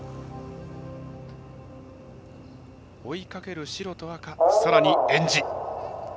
追いかける白と赤さらに、えんじ。